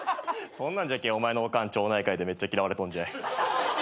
そんなんじゃけえお前のおかん町内会でめっちゃ嫌われとんじゃい。